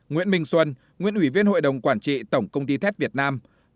nguyễn minh xuân nguyễn ủy viên hội đồng quản trị tổng công ty thép việt nam